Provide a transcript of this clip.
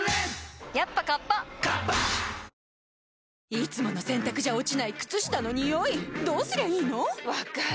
いつもの洗たくじゃ落ちない靴下のニオイどうすりゃいいの⁉分かる。